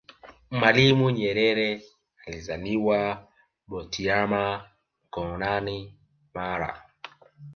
mwalimu nyerere alizaliwa butiama mkonani mara